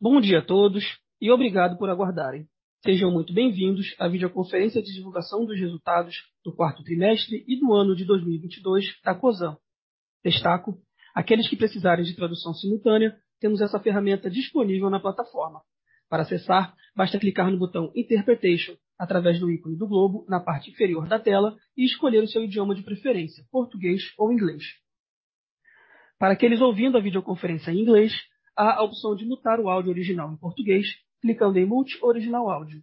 Bom dia a todos e obrigado por aguardarem. Sejam muito bem-vindos à videoconferência de divulgação dos resultados do quarto trimestre e do ano de 2022 da Cosan. Destaco aqueles que precisarem de tradução simultânea, temos essa ferramenta disponível na plataforma. Para acessar, basta clicar no botão Interpretation através do ícone do globo na parte inferior da tela e escolher o seu idioma de preferência, português ou inglês. Para aqueles ouvindo a videoconferência em inglês, há a opção de mutar o áudio original em português clicando em Mute Original Audio.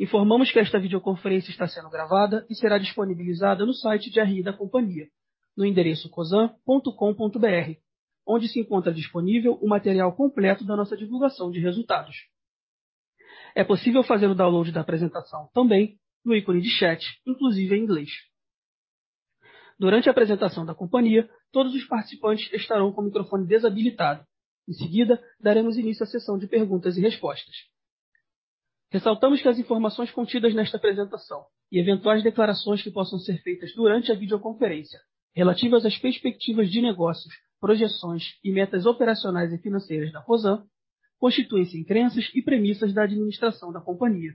Informamos que esta videoconferência está sendo gravada e será disponibilizada no site de RI da companhia, no endereço cosan.com.br, onde se encontra disponível o material completo da nossa divulgação de resultados. É possível fazer o download da apresentação também no ícone de chat, inclusive em inglês. Durante a apresentação da companhia, todos os participantes estarão com o microfone desabilitado. Em seguida, daremos início à sessão de perguntas e respostas. Ressaltamos que as informações contidas nesta apresentação e eventuais declarações que possam ser feitas durante a videoconferência relativas às perspectivas de negócios, projeções e metas operacionais e financeiras da Cosan constituem-se em crenças e premissas da administração da companhia,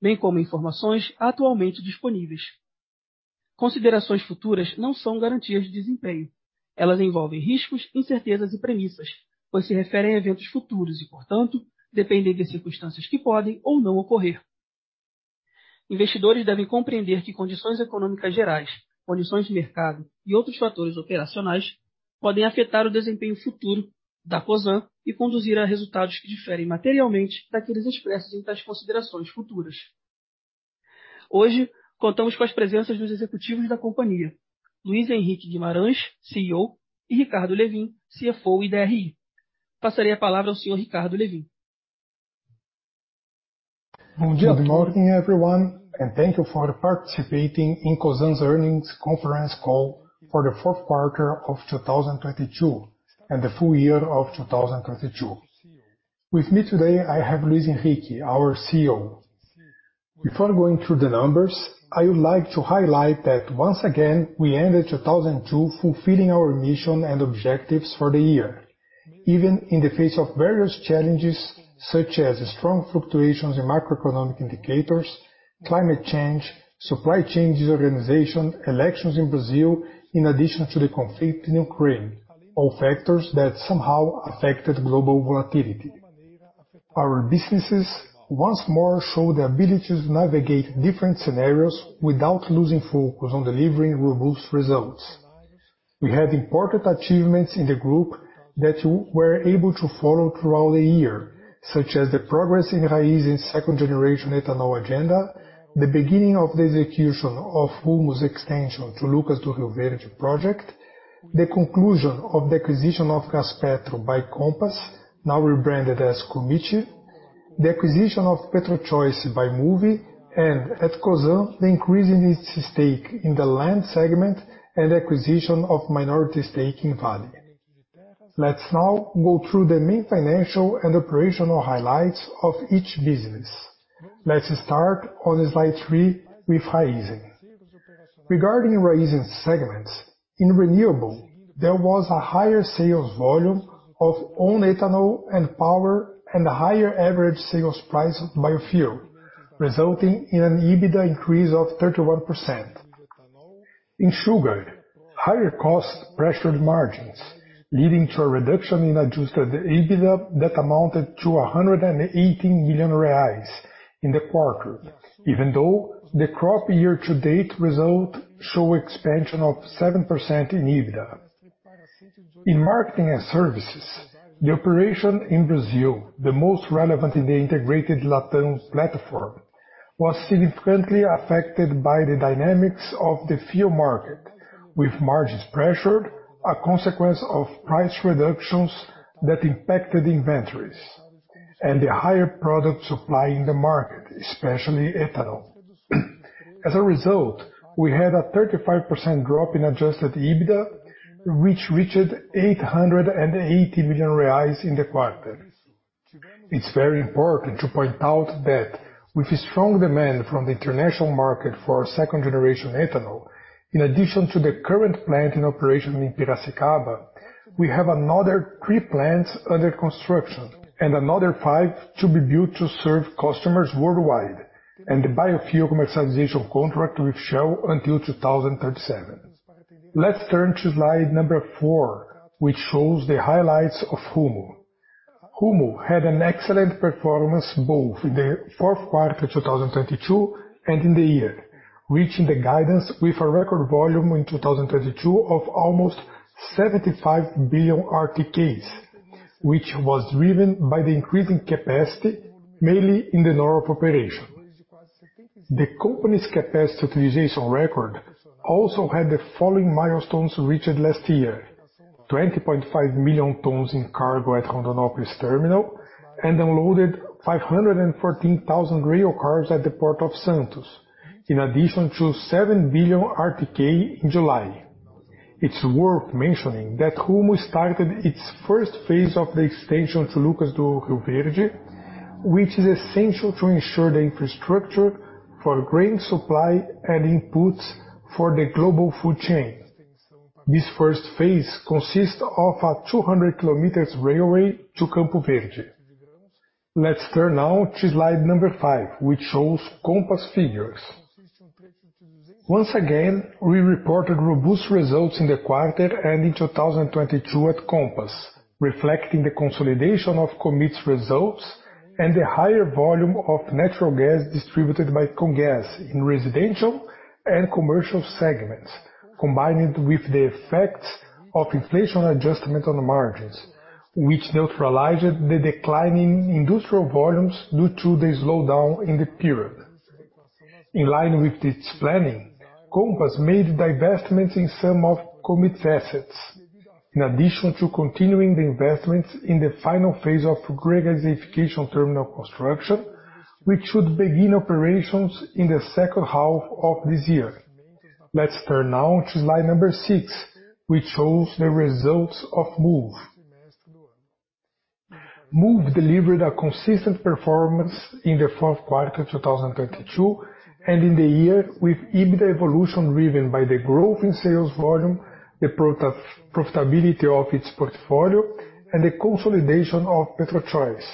bem como informações atualmente disponíveis. Considerações futuras não são garantias de desempenho. Elas envolvem riscos, incertezas e premissas, pois se referem a eventos futuros e, portanto, dependem de circunstâncias que podem ou não ocorrer. Investidores devem compreender que condições econômicas gerais, condições de mercado e outros fatores operacionais podem afetar o desempenho futuro da Cosan e conduzir a resultados que diferem materialmente daqueles expressos em tais considerações futuras. Hoje contamos com as presenças dos executivos da companhia Luís Henrique Guimarães, CEO, e Ricardo Lewin, CFO e DRI. Passaria a palavra ao senhor Ricardo Lewin. Good morning, everyone, and thank you for participating in Cosan's earnings conference call for the fourth quarter of 2022 and the full year of 2022. With me today, I have Luis Henrique, our CEO. Before going through the numbers, I would like to highlight that once again, we ended 2022 fulfilling our mission and objectives for the year, even in the face of various challenges such as strong fluctuations in macroeconomic indicators, climate change, supply chain disorganization, elections in Brazil, in addition to the conflict in Ukraine, all factors that somehow affected global volatility. Our businesses once more show the ability to navigate different scenarios without losing focus on delivering robust results. We have important achievements in the group that you were able to follow throughout the year, such as the progress in Raízen's Second-Generation Ethanol agenda, the beginning of the execution of Rumo's extension to Lucas do Rio Verde project, the conclusion of the acquisition of Gaspetro by Compass, now rebranded as Commit, the acquisition of PetroChoice by Moove and at Cosan, the increase in its stake in the Land segment and acquisition of minority stake in Vale. Let's now go through the main financial and operational highlights of each business. Let's start on slide three with Raízen. Regarding Raízen's segment, in Renewable, there was a higher sales volume of own ethanol and power and a higher average sales price biofuel, resulting in an EBITDA increase of 31%. In Sugar, higher cost pressured margins, leading to a reduction in adjusted EBITDA that amounted to 180 million reais in the quarter, even though the crop year-to-date result show expansion of 7% in EBITDA. In Marketing and Services, the operation in Brazil, the most relevant in the integrated LatAm platform, was significantly affected by the dynamics of the fuel market, with margins pressured, a consequence of price reductions that impacted inventories and the higher product supply in the market, especially ethanol. As a result, we had a 35% drop in adjusted EBITDA, which reached 880 million reais in the quarter. It's very important to point out that with strong demand from the international market for second-generation ethanol, in addition to the current plant in operation in Piracicaba, we have another three plants under construction and another five to be built to serve customers worldwide, and the biofuel commercialization contract with Shell until 2037. Let's turn to slide number ffour, which shows the highlights of Rumo. Rumo had an excellent performance both in the fourth quarter 2022 and in the year, reaching the guidance with a record volume in 2022 of almost 75 billion RTKs, which was driven by the increase in capacity, mainly in the north operation. The company's capacity utilization record also had the following milestones reached last year, 20.5 million tons in cargo at Rondonópolis terminal and unloaded 514,000 railcars at the Port of Santos, in addition to 7 billion RTK in July. It's worth mentioning that Rumo started its first phase of the extension to Lucas do Rio Verde, which is essential to ensure the infrastructure for grain supply and inputs for the global food chain. This first phase consists of a 200 kilometers railway to Campo Verde. Let's turn now to slide number five, which shows Compass figures. Once again, we reported robust results in the quarter and in 2022 at Compass, reflecting the consolidation of Commit's results and the higher volume of natural gas distributed by Comgás in Residential and Commercial segments, combined with the effects of inflation adjustment on the margins, which neutralized the decline in industrial volumes due to the slowdown in the period. In line with this planning, Compass made divestments in some of Commit's assets, in addition to continuing the investments in the final phase of regasification terminal construction, which should begin operations in the second half of this year. Let's turn now to slide number six, which shows the results of Moove. Moove delivered a consistent performance in the fourth quarter 2022 and in the year with EBITDA evolution driven by the growth in sales volume, the profitability of its portfolio, and the consolidation of PetroChoice.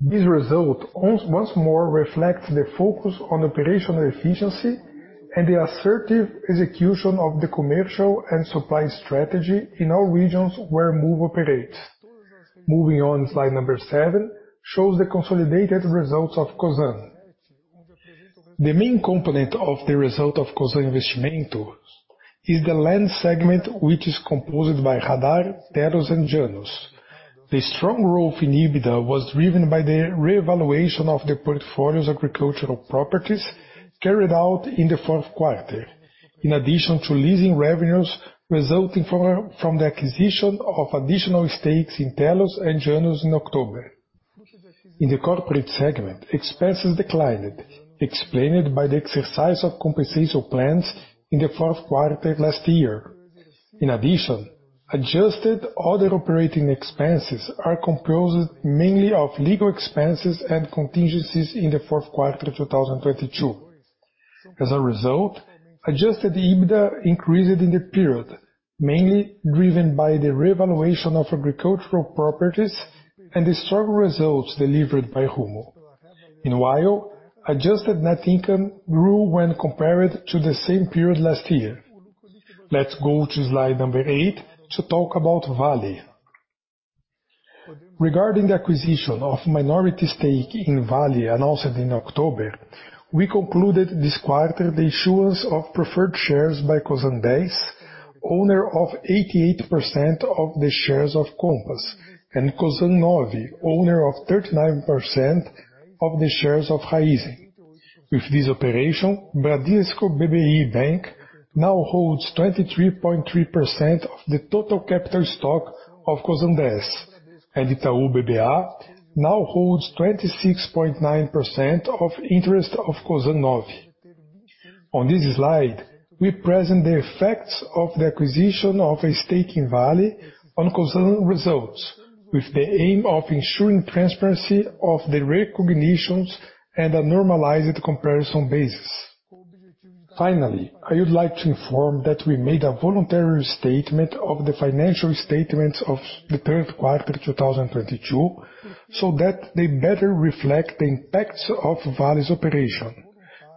This result once more reflects the focus on operational efficiency and the assertive execution of the commercial and supply strategy in all regions where Moove operates. Moving on, slide number seven shows the consolidated results of Cosan. The main component of the result of Cosan Investimentos is the land segment, which is composed by Radar, Tellus, and Janus. The strong growth in EBITDA was driven by the reevaluation of the portfolio's agricultural properties carried out in the fourth quarter, in addition to leasing revenues resulting from the acquisition of additional stakes in Tellus and Janus in October. In the Corporate segment, expenses declined, explained by the exercise of compensation plans in the fourth quarter last year. In addition, adjusted other operating expenses are composed mainly of legal expenses and contingencies in the fourth quarter of 2022. Adjusted EBITDA increased in the period, mainly driven by the reevaluation of agricultural properties and the strong results delivered by Rumo. Adjusted net income grew when compared to the same period last year. Let's go to slide number eight to talk about Vale. Regarding the acquisition of minority stake in Vale announced in October, we concluded this quarter the issuance of preferred shares by Cosan Dez, owner of 88% of the shares of Compass, and Cosan Nove, owner of 39% of the shares of Raízen. With this operation, Bradesco BBI Bank now holds 23.3% of the total capital stock of Cosan Dez, and Itaú BBA now holds 26.9% of interest of Cosan Nove. On this slide, we present the effects of the acquisition of a stake in Vale on Cosan results with the aim of ensuring transparency of the recognitions and a normalized comparison basis. Finally, I would like to inform that we made a voluntary statement of the financial statements of the third quarter 2022, so that they better reflect the impacts of Vale's operation,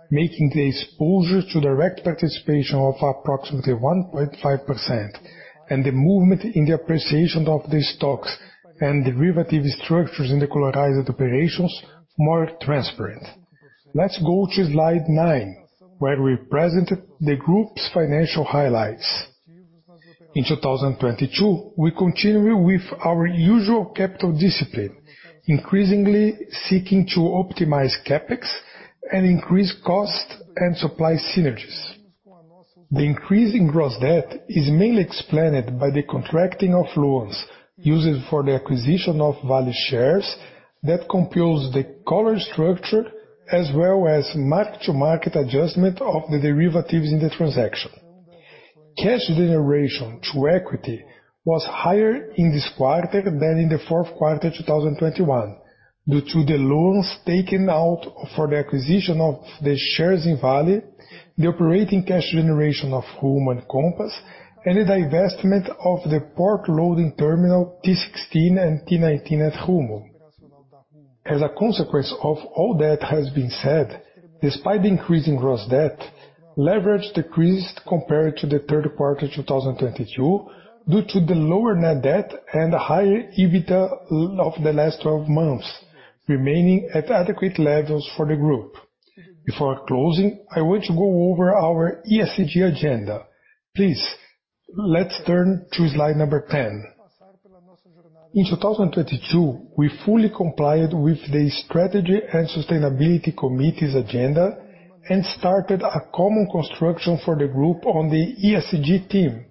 making the exposure to direct participation of approximately 1.5% and the movement in the appreciation of the stocks and derivative structures in the collateralized operations more transparent. Let's go to slide nine, where we presented the group's financial highlights. In 2022, we continue with our usual capital discipline, increasingly seeking to optimize CapEx and increase cost and supply synergies. The increase in gross debt is mainly explained by the contracting of loans used for the acquisition of Vale's shares that compose the Collar structure, as well as mark-to-market adjustment of the derivatives in the transaction. Cash generation to equity was higher in this quarter than in the fourth quarter 2021 due to the loans taken out for the acquisition of the shares in Vale, the operating cash generation of Rumo and Compass, and the divestment of the port loading terminal T-16 and T-19 at Rumo. A consequence of all that has been said, despite the increase in gross debt, leverage decreased compared to the third quarter 2022 due to the lower net debt and higher EBITDA of the last twelve months, remaining at adequate levels for the group. Before closing, I want to go over our ESG agenda. Please, let's turn to slide number 10. In 2022, we fully complied with the Strategy and Sustainability Committee's agenda and started a common construction for the group on the ESG team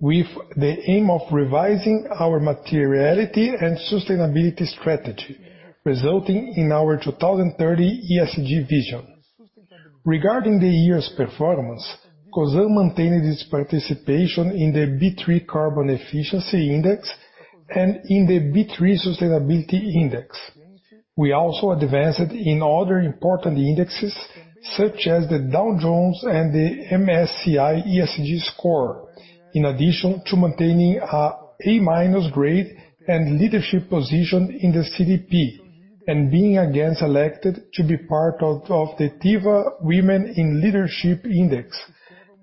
with the aim of revising our materiality and sustainability strategy, resulting in our 2030 ESG vision. Regarding the year's performance, Cosan maintaining its participation in the B3 Carbon Efficient Index and in the B3 Corporate Sustainability Index. We also advanced in other important indexes, such as the Dow Jones and the MSCI ESG score. In addition to maintaining a A- grade and leadership position in the CDP and being again selected to be part of the Teva Women in Leadership Index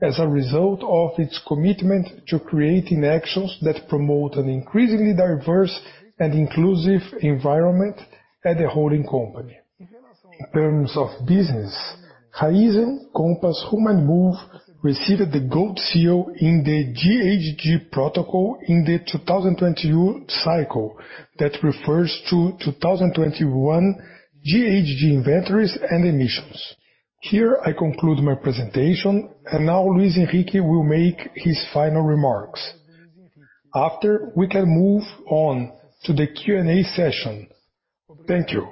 as a result of its commitment to creating actions that promote an increasingly diverse and inclusive environment at the holding company. In terms of business, Raízen, Compass, Rumo and Moove received the Gold Seal in the GHG Protocol in the 2020 year cycle that refers to 2021 GHG inventories and emissions. Here I conclude my presentation. Now Luiz Henrique will make his final remarks. After, we can move on to the Q&A session. Thank you.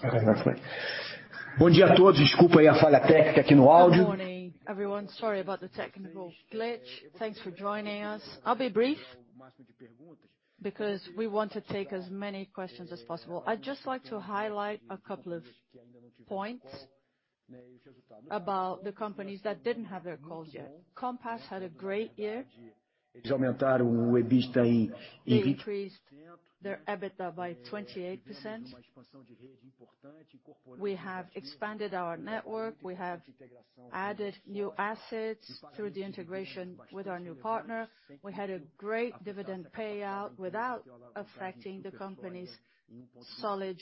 Good morning, everyone. Sorry about the technical glitch. Thanks for joining us. I'll be brief because we want to take as many questions as possible. I'd just like to highlight a couple of points about the companies that didn't have their calls yet. Compass had a great year. They increased their EBITDA by 28%. We have expanded our network. We have added new assets through the integration with our new partner. We had a great dividend payout without affecting the company's solid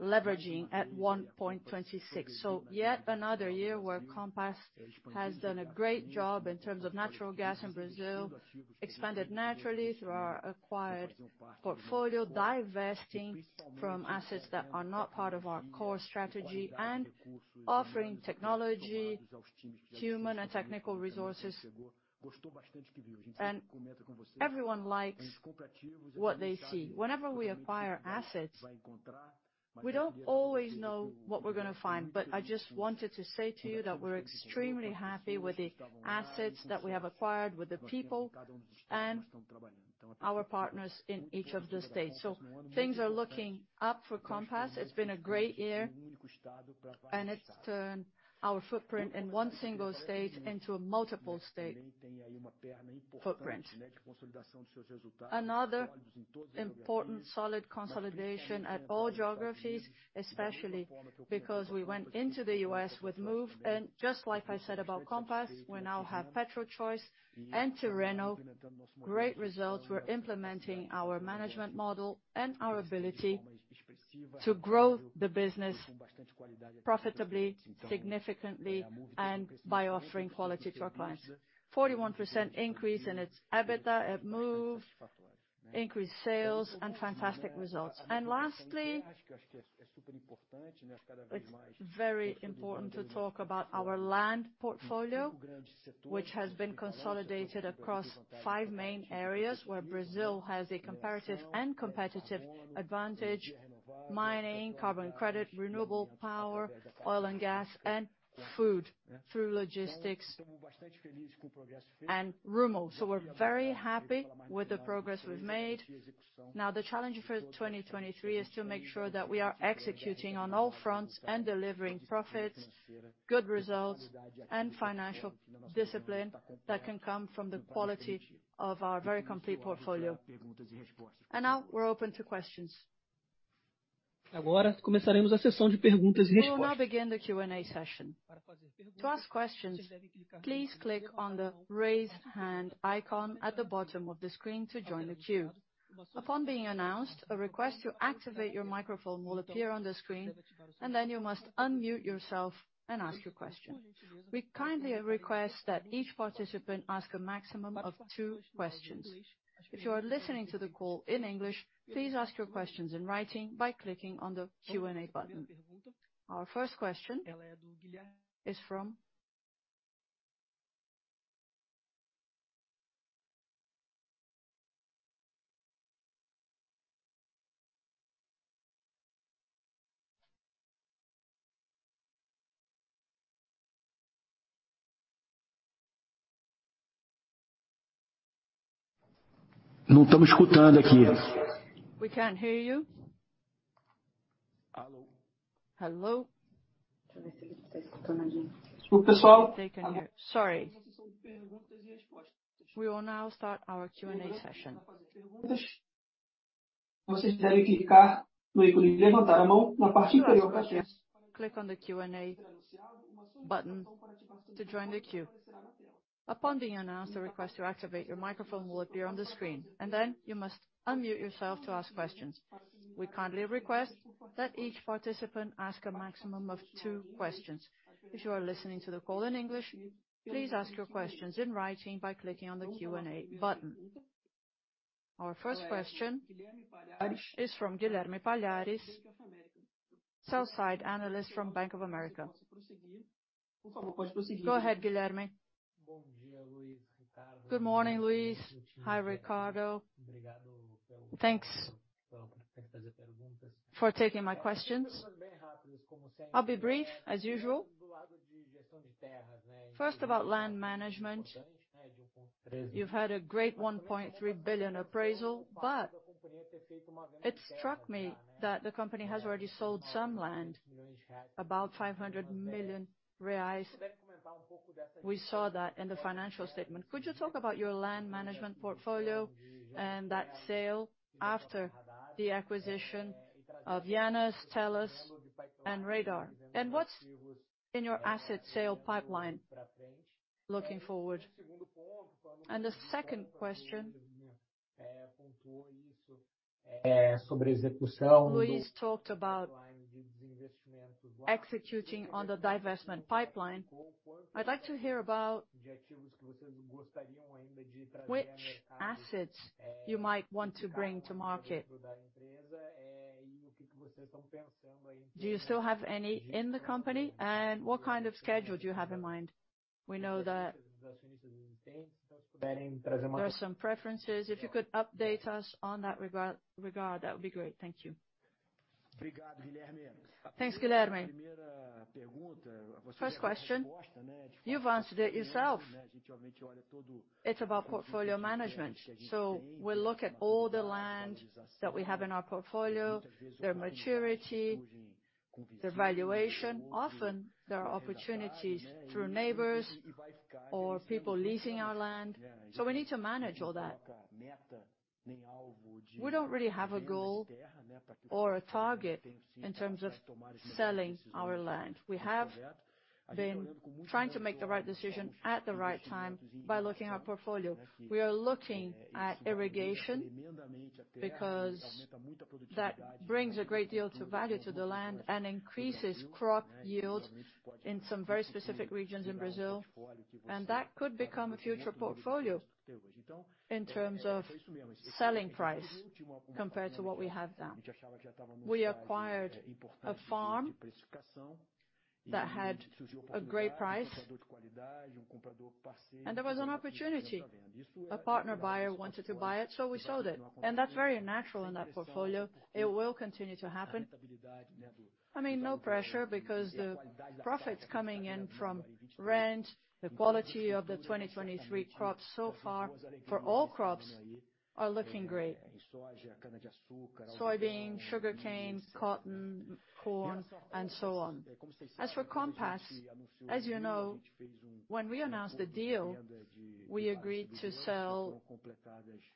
leveraging at 1.26. Yet another year where Compass has done a great job in terms of natural gas in Brazil, expanded naturally through our acquired portfolio, divesting from assets that are not part of our core strategy, and offering technology, human and technical resources. Everyone likes what they see. Whenever we acquire assets, we don't always know what we're gonna find, but I just wanted to say to you that we're extremely happy with the assets that we have acquired, with the people and our partners in each of the states. Things are looking up for Compass. It's been a great year, and it's turned our footprint in one single state into a multiple state footprint. Another important solid consolidation at all geographies, especially because we went into the U.S. with Moove. Just like I said about Compass, we now have PetroChoice and Tirreno. Great results. We're implementing our management model and our ability to grow the business profitably, significantly, and by offering quality to our clients. 41% increase in its EBITDA at Moove, increased sales and fantastic results. Lastly, it's very important to talk about our land portfolio, which has been consolidated across five main areas where Brazil has a comparative and competitive advantage: Mining, Carbon Credit, Renewable Power, Oil and Gas, and Food through logistics and Rumo. We're very happy with the progress we've made. Now, the challenge for 2023 is to make sure that we are executing on all fronts and delivering profits, good results, and financial discipline that can come from the quality of our very complete portfolio. Now we're open to questions. We will now begin the Q&A session. To ask questions, please click on the Raise-Hand icon at the bottom of the screen to join the queue. Upon being announced, a request to activate your microphone will appear on the screen, and then you must unmute yourself and ask your question. We kindly request that each participant ask a maximum of two questions. If you are listening to the call in English, please ask your questions in writing by clicking on the Q&A button. Our first question is from- We can't hear you. Hello. Hello. Sorry. We will now start our Q&A session. Click on the Q&A button to join the queue. Upon being announced, a request to activate your microphone will appear on the screen, and then you must unmute yourself to ask questions. We kindly request that each participant ask a maximum of two questions. If you are listening to the call in English, please ask your questions in writing by clicking on the Q&A button. Our first question is from Guilherme Palhares, Sell-Side Analyst from Bank of America. Go ahead, Guilherme. Good morning, Luis. Hi, Ricardo. Thanks for taking my questions. I'll be brief, as usual. First, about land management. You've had a great 1.3 billion appraisal, but it struck me that the company has already sold some land, about 500 million reais. We saw that in the financial statement. Could you talk about your land management portfolio and that sale after the acquisition of Janus, Tellus and Radar? What's in your asset sale pipeline looking forward? The second question, Luis talked about executing on the divestment pipeline. I'd like to hear about which assets you might want to bring to market. Do you still have any in the company, and what kind of schedule do you have in mind? We know that there are some preferences. If you could update us on that regard, that would be great. Thank you. Thanks, Guilherme. First question, you've answered it yourself. It's about portfolio management. We look at all the land that we have in our portfolio, their maturity, their valuation. Often, there are opportunities through neighbors or people leasing our land, so we need to manage all that. We don't really have a goal or a target in terms of selling our land. We have been trying to make the right decision at the right time by looking at our portfolio. We are looking at irrigation because that brings a great deal to value to the land and increases crop yields in some very specific regions in Brazil. That could become a future portfolio in terms of selling price compared to what we have now. We acquired a farm that had a great price, and there was an opportunity. A partner buyer wanted to buy it, so we sold it, and that's very natural in that portfolio. It will continue to happen. I mean, no pressure because the profits coming in from rent, the quality of the 2023 crops so far for all crops are looking great. Soybean, sugarcane, cotton, corn, and so on. For Compass, as you know, when we announced the deal, we agreed to sell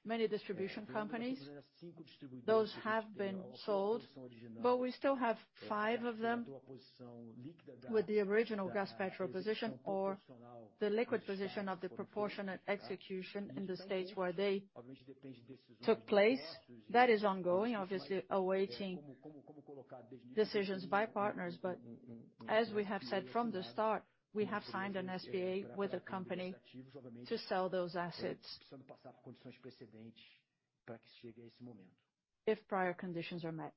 many distribution companies. Those have been sold, we still have five of them with the original Gaspetro position or the liquid position of the proportionate execution in the states where they took place. That is ongoing, obviously awaiting decisions by partners. As we have said from the start, we have signed an SPA with a company to sell those assets if prior conditions are met.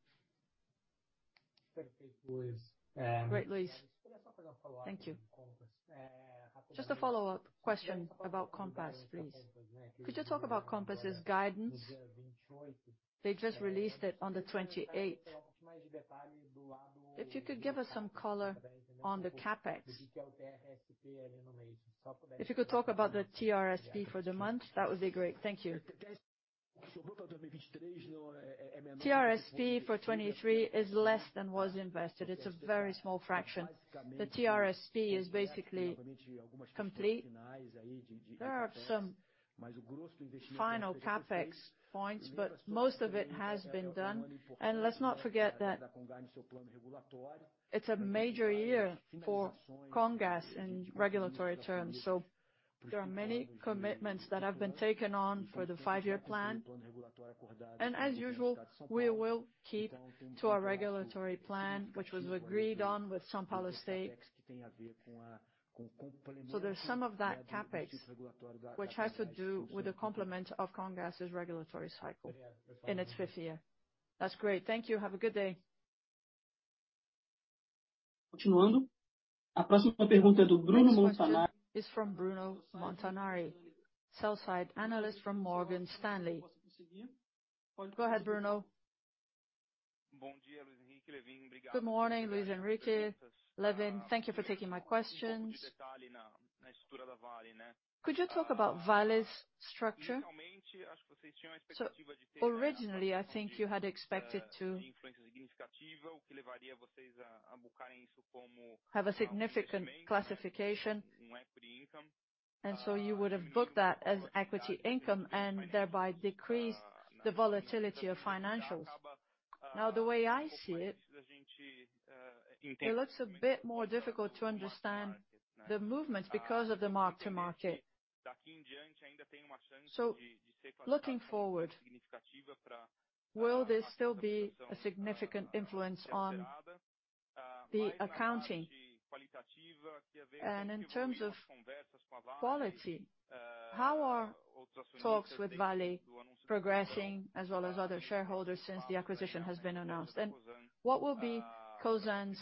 Great, Luis. Thank you. Just a follow-up question about Compass, please. Could you talk about Compass's guidance? They just released it on the 28th. You could give us some color on the CapEx. You could talk about the TRSP for the month, that would be great. Thank you. TRSP for 23 is less than was invested. It's a very small fraction. The TRSP is basically complete. There are some final CapEx points, but most of it has been done. Let's not forget that it's a major year for Comgás in regulatory terms. There are many commitments that have been taken on for the five-year plan. As usual, we will keep to our regulatory plan, which was agreed on with São Paulo State. There's some of that CapEx, which has to do with the complement of Comgás' regulatory cycle in its fifth year. That's great. Thank you. Have a good day. Next question is from Bruno Montanari, Sell-Side Analyst from Morgan Stanley. Go ahead, Bruno. Good morning, Luis Henrique, Lewin. Thank you for taking my questions. Could you talk about Vale's structure? Originally, I think you had expected to have a significant classification, you would have booked that as equity income and thereby decreased the volatility of financials. The way I see it looks a bit more difficult to understand the movements because of the mark-to-market. Looking forward, will this still be a significant influence on the accounting? In terms of quality, how are talks with Vale progressing as well as other shareholders since the acquisition has been announced? What will be Cosan's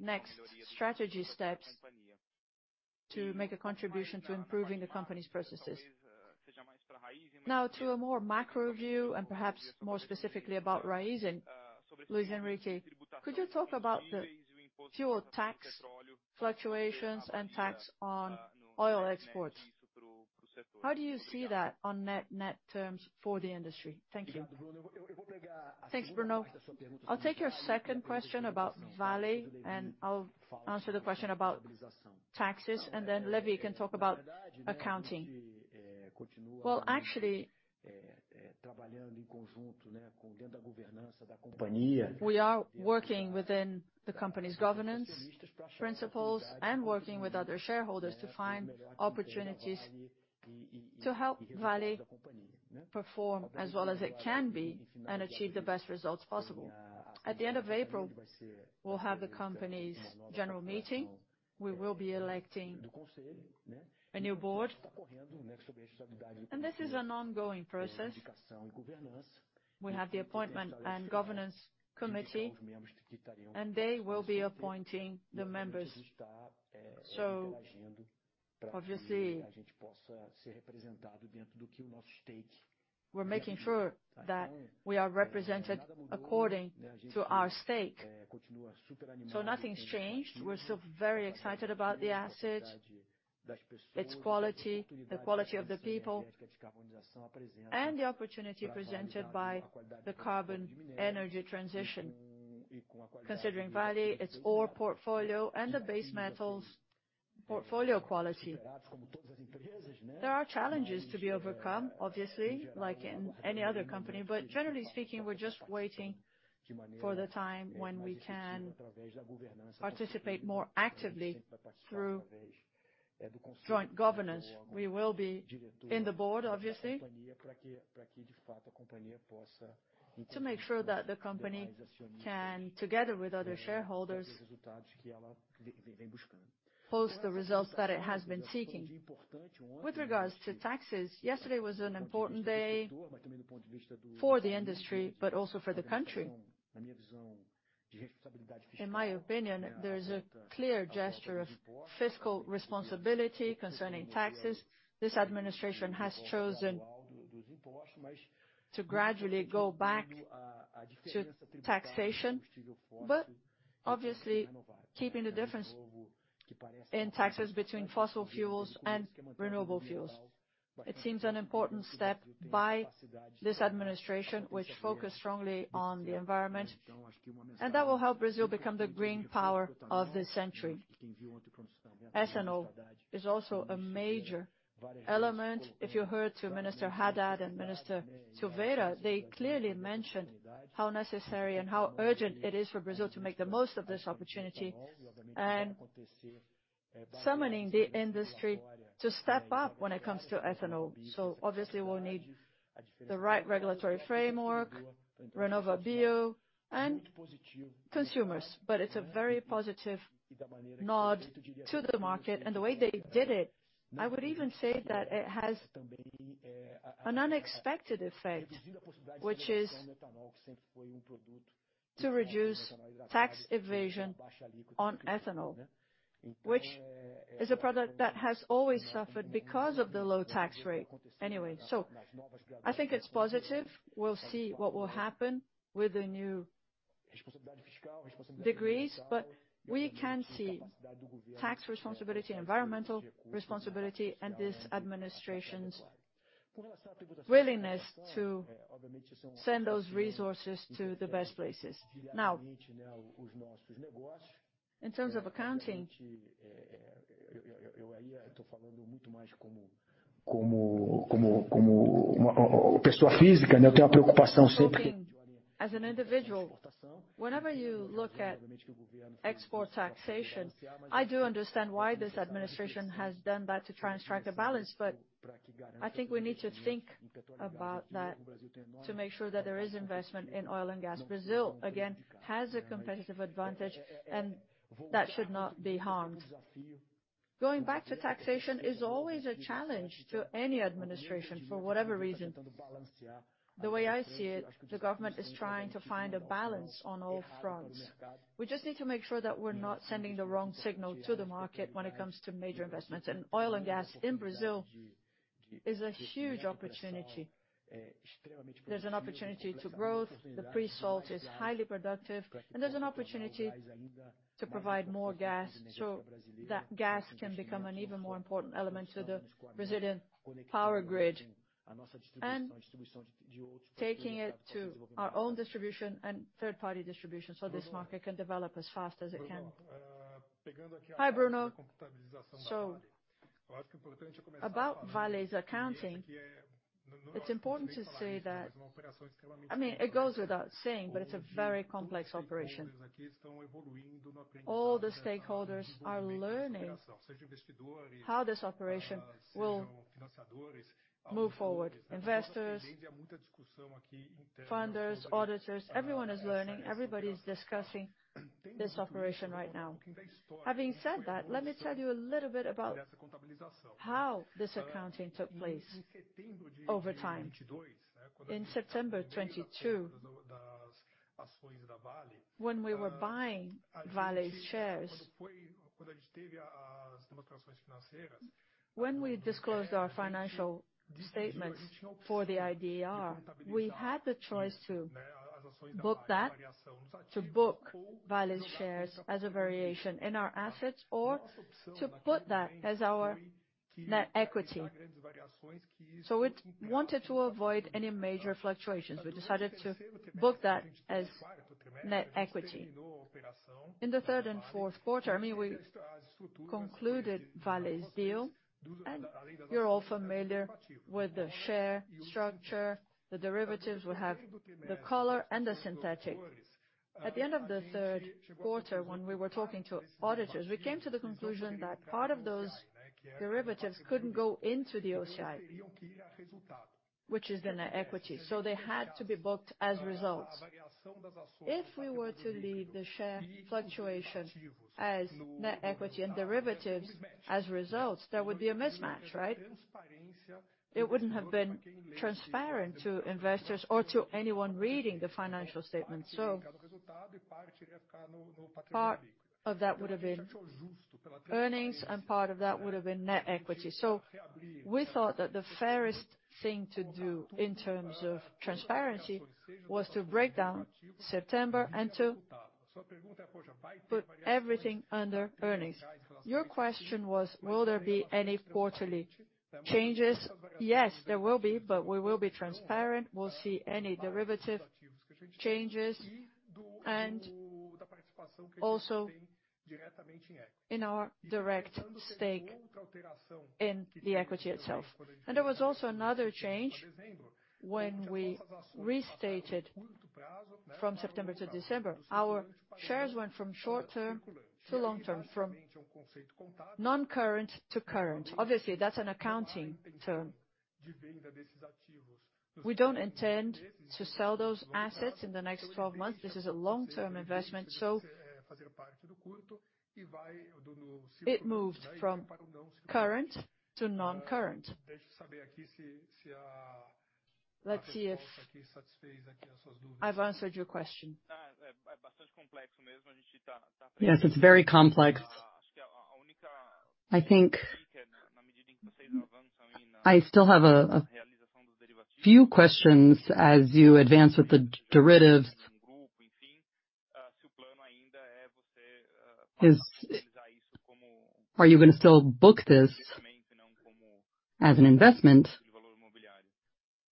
next strategy steps to make a contribution to improving the company's processes? To a more macro view and perhaps more specifically about Raízen. Luis Henrique, could you talk about the fuel tax fluctuations and tax on oil exports? How do you see that on net terms for the industry? Thank you. Thanks, Bruno. I'll take your second question about Vale, and I'll answer the question about taxes, and then Lewin can talk about accounting. Well, actually, we are working within the company's governance principles and working with other shareholders to find opportunities to help Vale perform as well as it can be and achieve the best results possible. At the end of April, we'll have the company's general meeting. We will be electing a new board. This is an ongoing process. We have the appointment and governance committee. They will be appointing the members. Obviously, we're making sure that we are represented according to our stake. Nothing's changed. We're still very excited about the asset, its quality, the quality of the people, and the opportunity presented by the carbon energy transition. Considering Vale, its ore portfolio, and the base metals portfolio quality. There are challenges to be overcome, obviously, like in any other company. Generally speaking, we're just waiting for the time when we can participate more actively through joint governance. We will be in the board, obviously, to make sure that the company can, together with other shareholders, post the results that it has been seeking. With regards to taxes, yesterday was an important day for the industry, but also for the country. In my opinion, there's a clear gesture of fiscal responsibility concerning taxes. This administration has chosen to gradually go back to taxation, but obviously keeping the difference in taxes between fossil fuels and renewable fuels. It seems an important step by this administration, which focused strongly on the environment, and that will help Brazil become the green power of this century. Ethanol is also a major element. If you heard to Minister Haddad and Minister Silveira, they clearly mentioned how necessary and how urgent it is for Brazil to make the most of this opportunity, and summoning the industry to step up when it comes to ethanol. Obviously, we'll need the right regulatory framework, RenovaBio, and consumers. It's a very positive nod to the market. The way they did it, I would even say that it has an unexpected effect, which is to reduce tax evasion on ethanol, which is a product that has always suffered because of the low tax rate anyway. I think it's positive. We'll see what will happen with the new degrees, but we can see tax responsibility, environmental responsibility, and this administration's willingness to send those resources to the best places. In terms of accounting, looking as an individual, whenever you look at export taxation, I do understand why this administration has done that to try and strike a balance, but I think we need to think about that to make sure that there is investment in oil and gas. Brazil, again, has a competitive advantage, and that should not be harmed. Going back to taxation is always a challenge to any administration for whatever reason. The way I see it, the government is trying to find a balance on all fronts. We just need to make sure that we're not sending the wrong signal to the market when it comes to major investments. Oil and gas in Brazil is a huge opportunity. There's an opportunity to growth. The pre-salt is highly productive. There's an opportunity to provide more gas, so that gas can become an even more important element to the Brazilian power grid. Taking it to our own distribution and third-party distribution, this market can develop as fast as it can. Hi, Bruno. About Vale's accounting, it's important to say that. I mean, it goes without saying, but it's a very complex operation. All the stakeholders are learning how this operation will move forward. Investors, funders, auditors, everyone is learning, everybody is discussing this operation right now. Having said that, let me tell you a little bit about how this accounting took place over time. In September 2022, when we were buying Vale's shares, when we disclosed our financial statements for the IDR, we had the choice to book that, to book Vale's shares as a variation in our assets or to put that as our net equity. We wanted to avoid any major fluctuations. We decided to book that as net equity. In the third and fourth quarter, I mean, we concluded Vale's deal, and you're all familiar with the share structure, the derivatives, we have the Collar and the Synthetic. At the end of the third quarter, when we were talking to auditors, we came to the conclusion that part of those derivatives couldn't go into the OCI, which is in our equity. They had to be booked as results. If we were to leave the share fluctuation as net equity and derivatives as results, there would be a mismatch, right? It wouldn't have been transparent to investors or to anyone reading the financial statement. Part of that would have been earnings and part of that would have been net equity. We thought that the fairest thing to do in terms of transparency was to break down September and to put everything under earnings. Your question was, will there be any quarterly changes? Yes, there will be. We will be transparent. We'll see any derivative changes and also in our direct stake in the equity itself. There was also another change when we restated from September to December. Our shares went from short-term to long-term, from non-current to current. Obviously, that's an accounting term. We don't intend to sell those assets in the next 12 months. This is a long-term investment, so it moved from current to non-current. Let's see if I've answered your question. It's very complex. I think I still have a few questions as you advance with the derivatives. Are you gonna still book this as an investment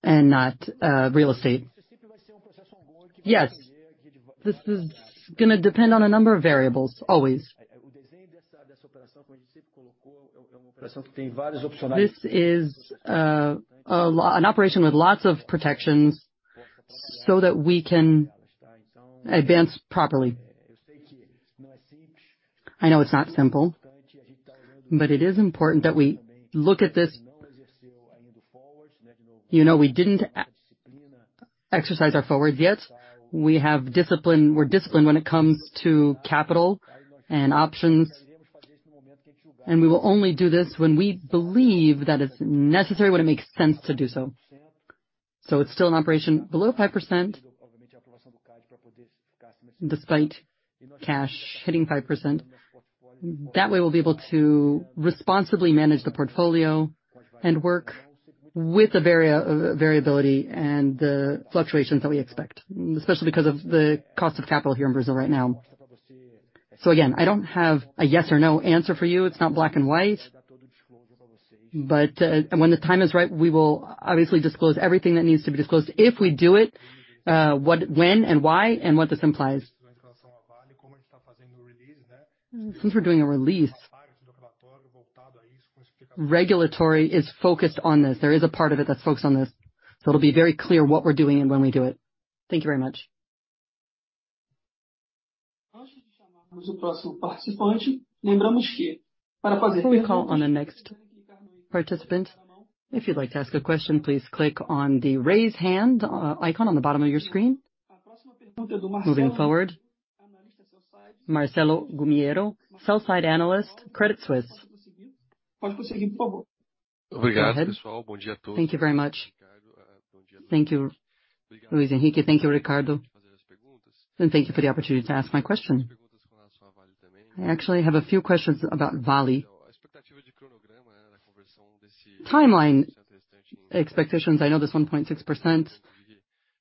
and not real estate? Yes. This is gonna depend on a number of variables, always. This is an operation with lots of protections so that we can advance properly. I know it's not simple, but it is important that we look at this. You know, we didn't exercise our forwards yet. We have discipline. We're disciplined when it comes to capital and options, and we will only do this when we believe that it's necessary, when it makes sense to do so. It's still an operation below 5%, despite cash hitting 5%. That way, we'll be able to responsibly manage the portfolio and work with the variability and the fluctuations that we expect, especially because of the cost of capital here in Brazil right now. Again, I don't have a yes or no answer for you. It's not black and white. When the time is right, we will obviously disclose everything that needs to be disclosed. If we do it, when and why and what this implies. Since we're doing a release, regulatory is focused on this. There is a part of it that's focused on this. It'll be very clear what we're doing and when we do it. Thank you very much. We call on the next participant. If you'd like to ask a question, please click on the Raise Hand icon on the bottom of your screen. Moving forward, Marcelo Gumiero, Sell-Side Analyst, Credit Suisse. Go ahead. Thank you very much. Thank you, Luis Henrique. Thank you, Ricardo. Thank you for the opportunity to ask my question. I actually have a few questions about Vale. Timeline expectations, I know this 1.6%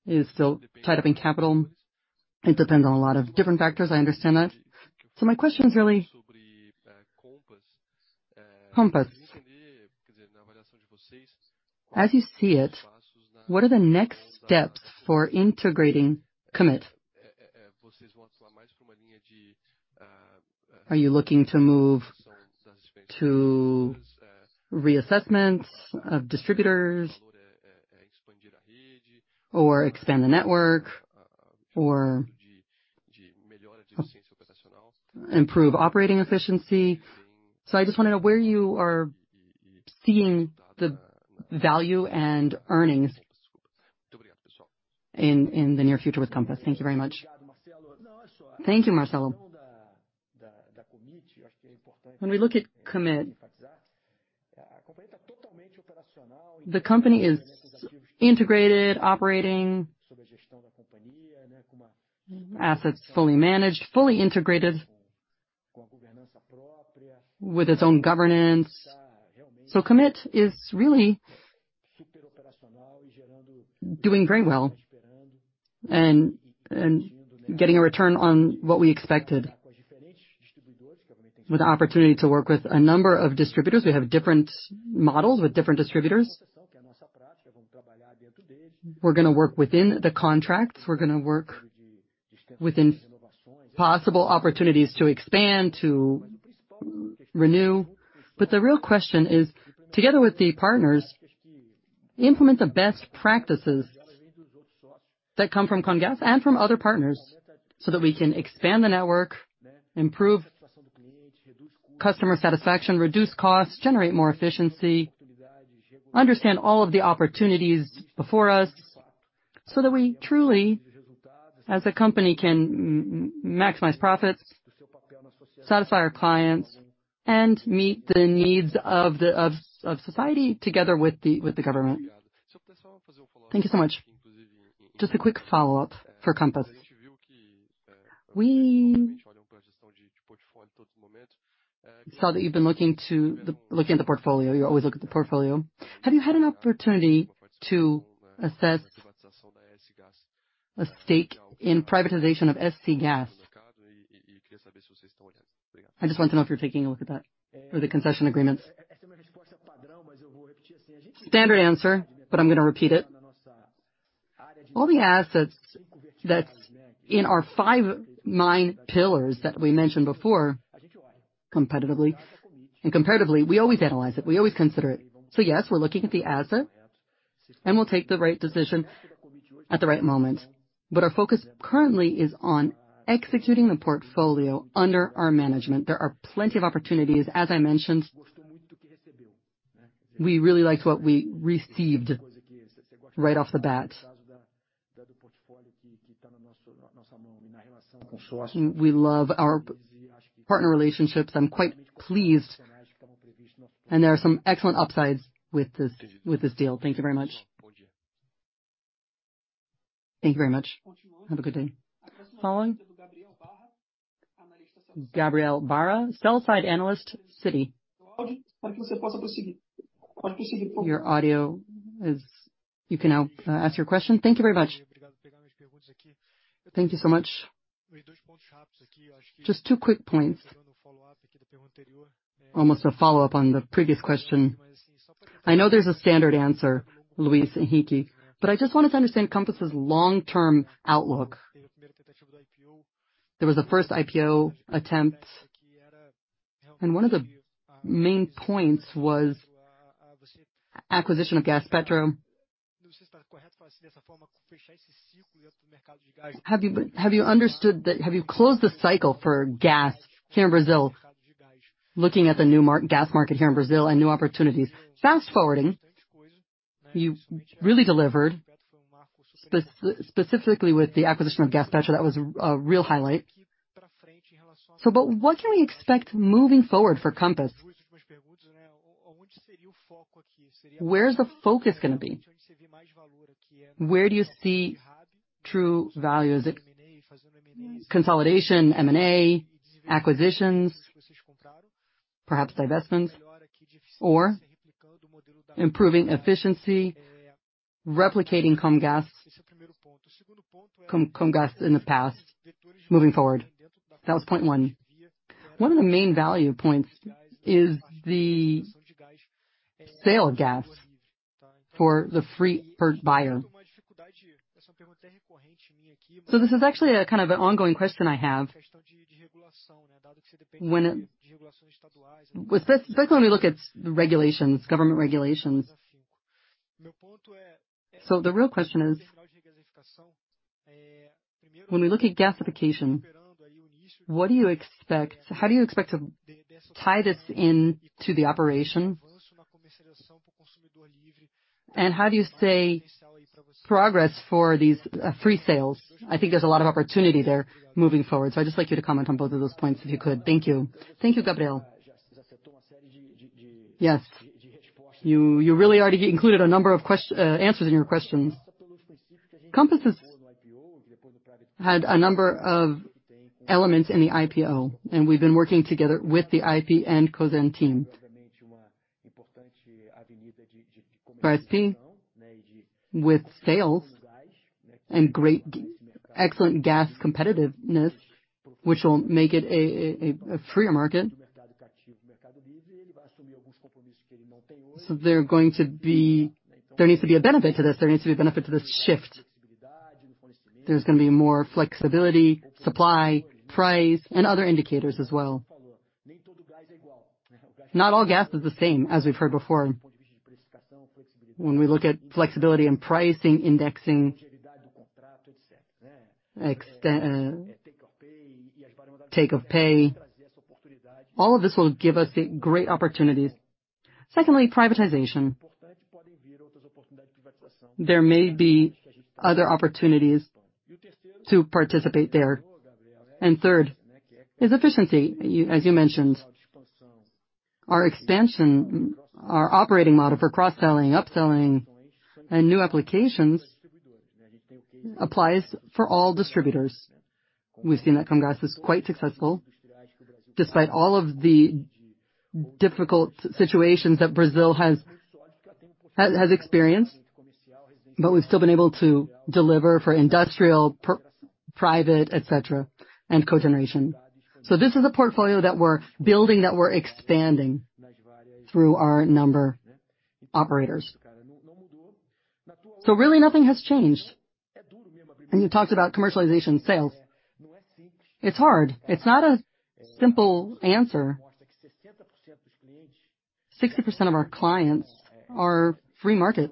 is still tied up in capital. It depends on a lot of different factors, I understand that. My question is really, Compass, as you see it, what are the next steps for integrating Commit? Are you looking to move to reassessments of distributors or expand the network or improve operating efficiency? I just wanna know where you are seeing the value and earnings in the near future with Compass. Thank you very much. Thank you, Marcelo. When we look at Commit, the company is integrated, operating. Assets fully managed, fully integrated with its own governance. Commit is really doing great well and getting a return on what we expected. With the opportunity to work with a number of distributors, we have different models with different distributors. We're gonna work within the contracts, we're gonna work within possible opportunities to expand, to renew. The real question is, together with the partners, implement the best practices that come from Comgás and from other partners so that we can expand the network, improve customer satisfaction, reduce costs, generate more efficiency, understand all of the opportunities before us so that we truly, as a company, can maximize profits, satisfy our clients, and meet the needs of the, of society together with the government. Thank you so much. Just a quick follow-up for Compass. We saw that you've been looking at the portfolio. You always look at the portfolio. Have you had an opportunity to assess a stake in privatization of SCGás? I just want to know if you're taking a look at that or the concession agreements. Standard answer, I'm gonna repeat it. All the assets that's in our five mine pillars that we mentioned before, competitively and comparatively, we always analyze it, we always consider it. Yes, we're looking at the asset, we'll take the right decision at the right moment. Our focus currently is on executing the portfolio under our management. There are plenty of opportunities. As I mentioned, we really liked what we received right off the bat. We love our partner relationships. I'm quite pleased, there are some excellent upsides with this deal. Thank you very much. Thank you very much. Have a good day. Following. Gabriel Barra, Sell-Side Analyst, Citi. Your audio is. You can now ask your question. Thank you very much. Thank you so much. Just two quick points. Almost a follow-up on the previous question. I know there's a standard answer, Luis Henrique. I just wanted to understand Compass' long-term outlook. There was a first IPO attempt, and one of the main points was acquisition of Gaspetro. Have you understood that? Have you closed the cycle for gas here in Brazil, looking at the new gas market here in Brazil and new opportunities? Fast-forwarding, you really delivered specifically with the acquisition of Gaspetro. That was a real highlight. What can we expect moving forward for Compass? Where's the focus gonna be? Where do you see true value? Is it consolidation, M&A, acquisitions, perhaps divestments, or improving efficiency, replicating Comgás in the past moving forward? That was point one. One of the main value points is the sale of gas for the free buyer. This is actually a kind of an ongoing question I have. With this, especially when we look at the regulations, government regulations. The real question is, when we look at gasification, how do you expect to tie this into the operation? How do you stay progress for these free sales? I think there's a lot of opportunity there moving forward. I'd just like you to comment on both of those points if you could. Thank you. Thank you, Gabriel. Yes. You really already included a number of answers in your questions. Compass has had a number of elements in the IPO, and we've been working together with the IP and Cosan team. I think with sales and excellent gas competitiveness, which will make it a freer market. There needs to be a benefit to this. There needs to be a benefit to this shift. There's gonna be more flexibility, supply, price, and other indicators as well. Not all gas is the same, as we've heard before. When we look at flexibility and pricing, indexing, take-or-pay, all of this will give us great opportunities. Secondly, privatization. There may be other opportunities to participate there. Third is efficiency. As you mentioned, our expansion, our operating model for cross-selling, upselling and new applications applies for all distributors. We've seen that Comgás is quite successful despite all of the difficult situations that Brazil has experienced, but we've still been able to deliver for industrial, private, et cetera, and cogeneration. This is a portfolio that we're building, that we're expanding through our number operators. Really nothing has changed. You talked about commercialization sales. It's hard. It's not a simple answer. 60% of our clients are Free Market.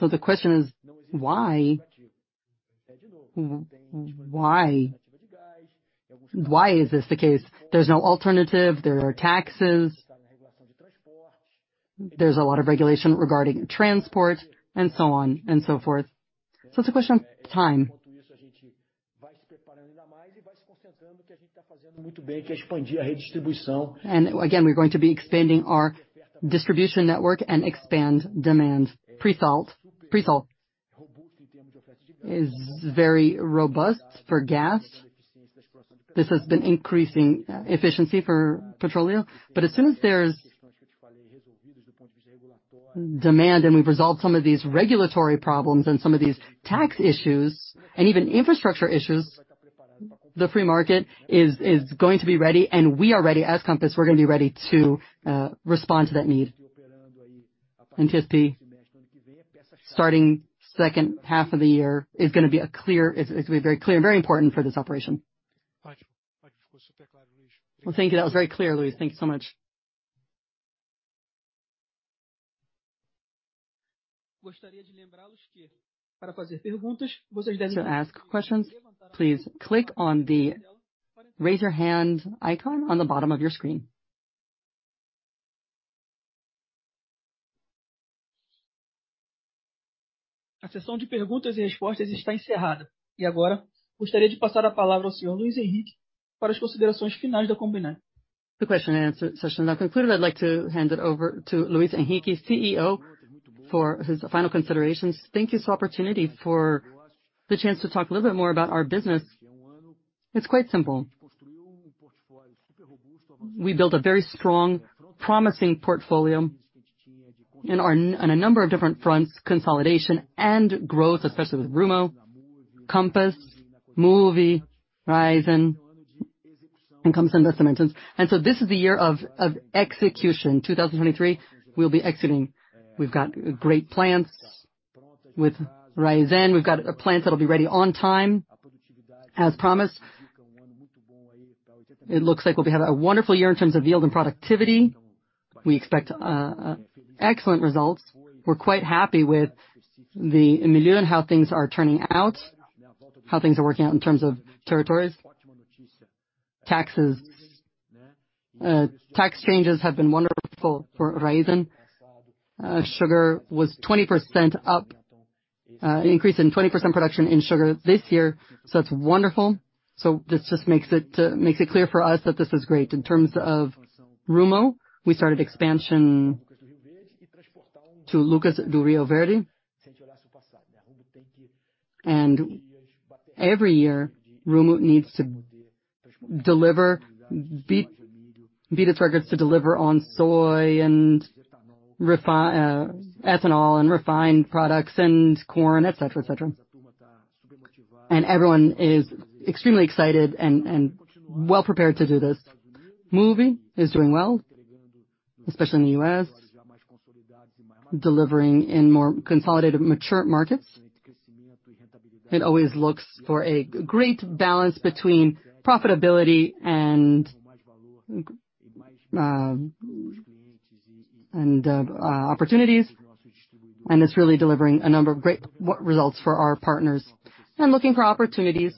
The question is why? Why is this the case? There's no alternative. There are taxes. There's a lot of regulation regarding transport and so on and so forth. It's a question of time. Again, we're going to be expanding our distribution network and expand demand. Pre-salt. Pre-salt is very robust for gas. This has been increasing efficiency for petroleum. As soon as there's demand and we've resolved some of these regulatory problems and some of these tax issues and even infrastructure issues, the Free Market is going to be ready, and we are ready. As Compass, we're gonna be ready to respond to that need. TSP, starting second half of the year, is gonna be clear. It's gonna be very clear and very important for this operation. Well, thank you. That was very clear, Luis. Thank you so much. To ask questions, please click on the Raise-Your-Hand icon on the bottom of your screen. The question and answer session now concluded. I'd like to hand it over to Luis Henrique, CEO, for his final considerations. Thank you for this opportunity, for the chance to talk a little bit more about our business. It's quite simple. We built a very strong, promising portfolio on a number of different fronts, consolidation and growth, especially with Rumo, Compass, Moove, Raízen, and Cosan Investimentos. This is the year of execution. 2023, we'll be exiting. We've got great plans with Raízen. We've got plans that'll be ready on time, as promised. It looks like we'll be having a wonderful year in terms of yield and productivity. We expect excellent results. We're quite happy with the Emílio and how things are turning out, how things are working out in terms of territories. Taxes. Tax changes have been wonderful for Raízen. Sugar was 20% up. An increase in 20% production in sugar this year. That's wonderful. This just makes it clear for us that this is great. In terms of Rumo, we started expansion to Lucas do Rio Verde. Every year, Rumo needs to deliver, beat its records to deliver on soy and ethanol and refined products and corn, et cetera, et cetera. Everyone is extremely excited and well-prepared to do this. Moove is doing well, especially in the U.S., delivering in more consolidated, mature markets. It always looks for a great balance between profitability and opportunities. It's really delivering a number of great results for our partners and looking for opportunities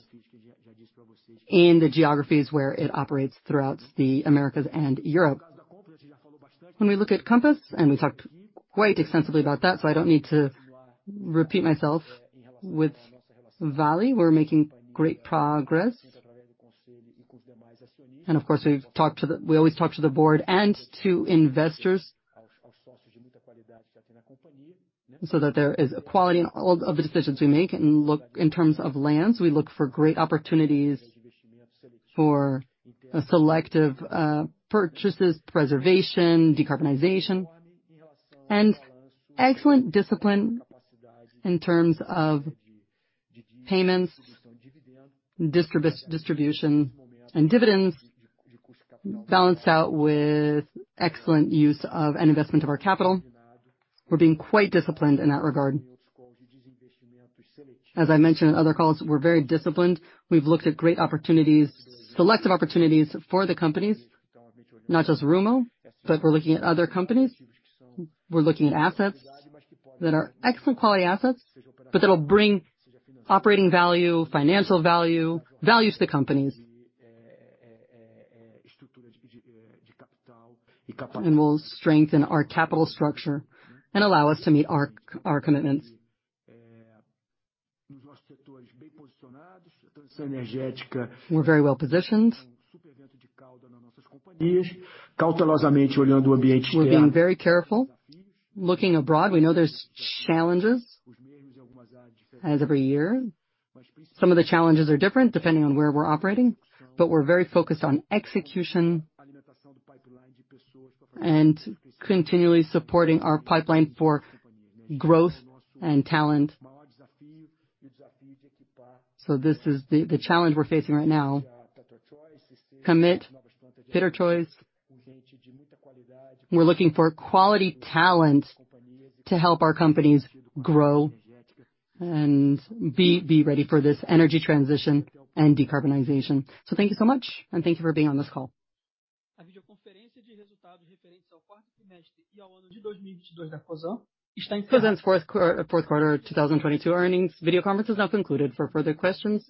in the geographies where it operates throughout the Americas and Europe. When we look at Compass, and we talked quite extensively about that, so I don't need to repeat myself. With Vale, we're making great progress. Of course, we've talked to the we always talk to the board and to investors so that there is a quality in all of the decisions we make. Look, in terms of lands, we look for great opportunities for a selective purchases, preservation, decarbonization, and excellent discipline in terms of payments, distribution, and dividends balanced out with excellent use of an investment of our capital. We're being quite disciplined in that regard. As I mentioned in other calls, we're very disciplined. We've looked at great opportunities, selective opportunities for the companies, not just Rumo, but we're looking at other companies. We're looking at assets that are excellent quality assets, but that'll bring operating value, financial value to the companies. Will strengthen our capital structure and allow us to meet our commitments. We're very well-positioned. We're being very careful. Looking abroad, we know there's challenges as every year. Some of the challenges are different depending on where we're operating, but we're very focused on execution and continually supporting our pipeline for growth and talent. This is the challenge we're facing right now. Commit, PetroChoice. We're looking for quality talent to help our companies grow and be ready for this energy transition and decarbonization. Thank you so much, and thank you for being on this call. Cosan's fourth quarter 2022 earnings video conference is now concluded. For further questions,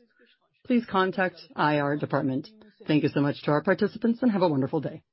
please contact IR department. Thank you so much to our participants. Have a wonderful day.